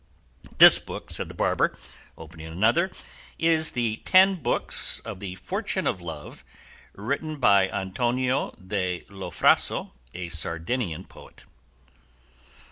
"This book," said the barber, opening another, "is the ten books of the 'Fortune of Love,' written by Antonio de Lofraso, a Sardinian poet."